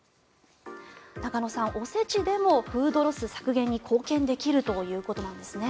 中野さん、お節でもフードロス削減に貢献できるということなんですね。